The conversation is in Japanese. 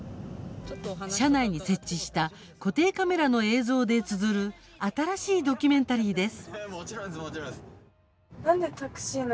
車内に設置した固定カメラの映像でつづる新しいドキュメンタリーです。